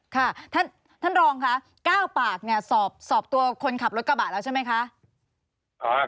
ค่ะท่านรรองฮะ๙ปากเนี่ยสอบตัวคนขับรถกระบาดยังหรือเป็นไหมคะ